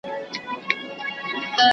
چي چرگ نه وو، اذان چا کاوه؟